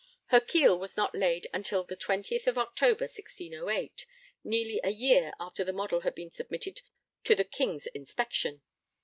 Her keel was not laid until the 20th October 1608, nearly a year after the model had been submitted to the King's inspection.